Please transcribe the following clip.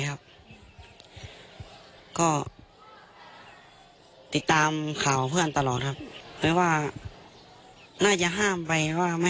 ครับก็ติดตามข่าวเพื่อนตลอดครับแต่ว่าน่าจะห้ามไปว่าไม่